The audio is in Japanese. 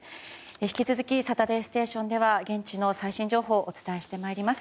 引き続き「サタデーステーション」では現地の最新情報をお伝えしてまいります。